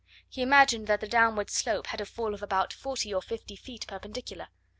He imagined that the downward slope had a fall of about 40 or 50 feet perpendicular.